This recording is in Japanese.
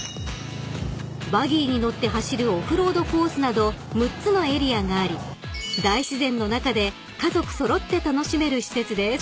［バギーに乗って走るオフロードコースなど６つのエリアがあり大自然の中で家族揃って楽しめる施設です］